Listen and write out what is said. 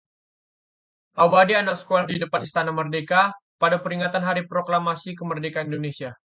aubade anak sekolah di depan Istana Merdeka pada peringatan Hari Proklamasi Kemerdekaan Indonesia